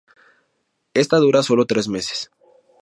Esta dura solo tres meses.